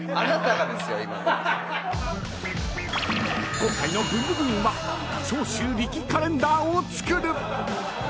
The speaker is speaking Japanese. ［今回の『ブンブブーン！』は長州力カレンダーを作る！］